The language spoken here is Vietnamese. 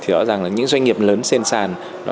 rõ ràng là những doanh nghiệp lớn sên sàn